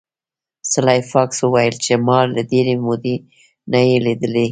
سلای فاکس وویل چې ما له ډیرې مودې نه یې لیدلی